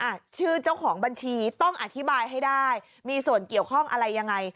อ่ะชื่อเจ้าของบัญชีต้องอธิบายให้ได้มีส่วนเกี่ยวข้องอะไรยังไง